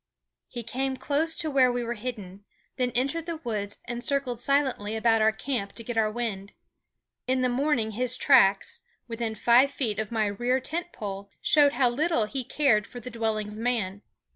He came close to where we were hidden, then entered the woods and circled silently about our camp to get our wind. In the morning his tracks, within five feet of my rear tent pole, showed how little he cared for the dwelling of man.